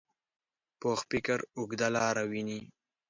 پوخ فکر اوږده لاره ویني